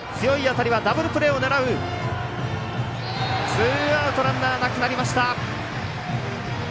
ツーアウトランナーなくなりました。